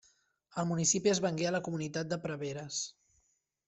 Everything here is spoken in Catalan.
El municipi es vengué a la Comunitat de Preveres.